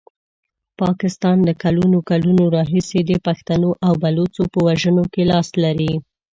پاکستان له کلونو کلونو راهیسي د پښتنو او بلوڅو په وژنه کې لاس لري.